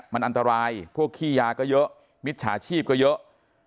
มันอันตรายพวกขี้ยาก็เยอะมิจฉาชีพก็เยอะ